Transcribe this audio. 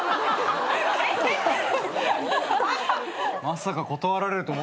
まさか断られると。